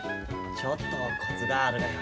ちょっとコツがあるがよ。